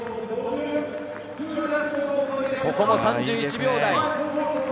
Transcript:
ここも３１秒台！